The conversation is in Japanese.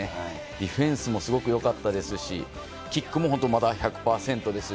ディフェンスもすごく良かったですし、キックもまだ１００％。